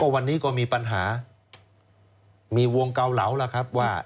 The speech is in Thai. วันนี้ก็มีปัญหามีวงเกาเหลาแล้วครับว่า